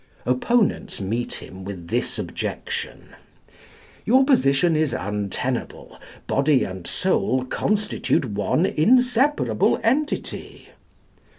Opponents meet him with this objection: "Your position is untenable. Body and soul constitute one inseparable entity."